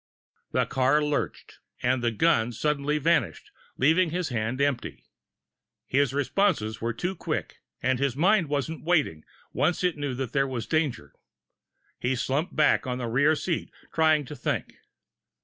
The car lurched and the gun suddenly vanished, leaving his hand empty. His responses were too quick and his mind wasn't waiting, once it knew there was danger. He slumped back on the rear seat, trying to think.